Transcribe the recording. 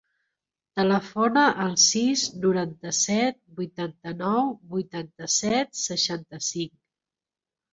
Telefona al sis, noranta-set, vuitanta-nou, vuitanta-set, seixanta-cinc.